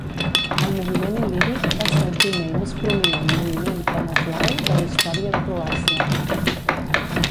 El moviment il·líric va ser el primer i més prominent moviment paneslau de la història de Croàcia.